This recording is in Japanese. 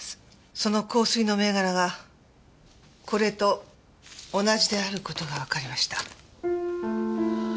その香水の銘柄がこれと同じである事がわかりました。